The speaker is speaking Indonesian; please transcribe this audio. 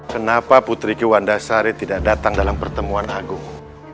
kenapa putriku wanda sari tidak datang dalam pertemuan agung